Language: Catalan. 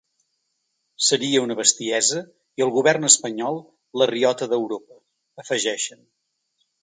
Seria una bestiesa i el govern espanyol, la riota d’Europa, afegeixen.